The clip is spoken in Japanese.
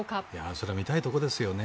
それは見たいところですよね。